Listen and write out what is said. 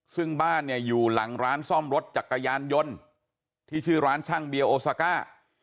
ซึ่งบ้านเนี่ยอยู่หลังร้านซ่อมรถจักรยานยนต์ที่ชื่อร้านช่างเบียโอซาก้า